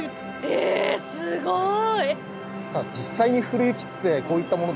えすごい！